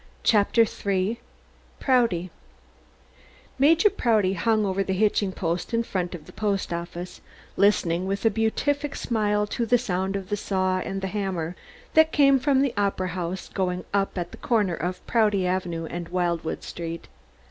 CHAPTER III PROUTY Major Prouty hung over the hitching post in front of the post office listening with a beatific smile to the sound of the saw and the hammer that came from the Opera House going up at the corner of Prouty Avenue and Wildwood Street.